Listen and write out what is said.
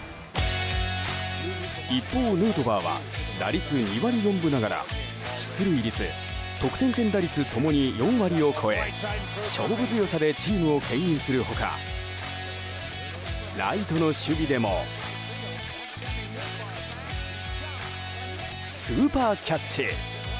一方、ヌートバーは打率２割４分ながら出塁率、得点圏打率共に４割を超え勝負強さでチームをけん引する他ライトの守備でもスーパーキャッチ！